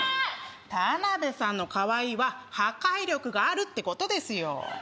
田辺さんの「かわいい」は破壊力があるってことですよ